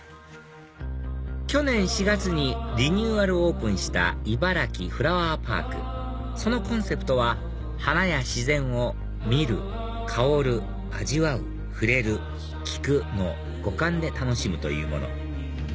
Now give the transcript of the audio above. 去年４月にリニューアルオープンしたいばらきフラワーパークそのコンセプトは花や自然を見る香る味わう触れる聞くの五感で楽しむというもの